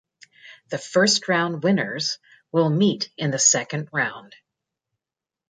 The First Round winners will meet in the Second Round.